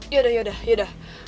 yaudah yaudah yaudah